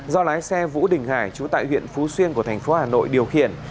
do lái xe vũ đình hải trú tại huyện phú xuyên của thành phố hà nội điều khiển